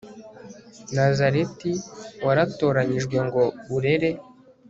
nazareti, waratoranyijwe, ngo urere